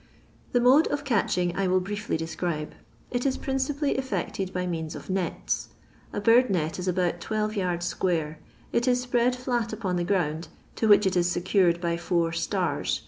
The mode of catching I will briefly describe. It is principally effected by means ol nets. A bird net is about twelve yards square ; it is spread flat upon the ground, to which it is secured by four *' stars."